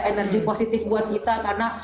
energi positif buat kita karena